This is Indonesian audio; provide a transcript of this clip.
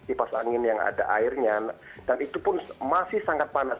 kipas angin yang ada airnya dan itu pun masih sangat panas